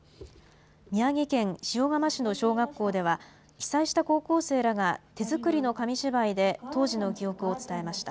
宮城県塩釜市の小学校では、被災した高校生らが手作りの紙芝居で当時の記憶を伝えました。